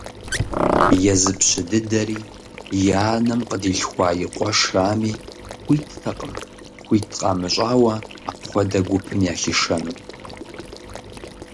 Езы пщы дыдэри, и анэм къыдилъхуа и къуэшрами, хуиттэкъым хуит къамыщӏауэ апхуэдэ гупым яхишэну.